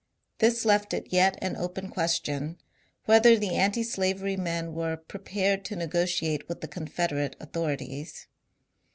This left it yet an open question whether the antislavery men were ^^prepared to negotiate with the Confederate authori ties."